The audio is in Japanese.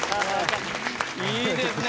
いいですね！